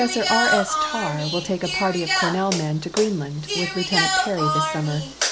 R. S. T.\rr will take a party of Cornell men to Greenland with Lieut. Peary this summer.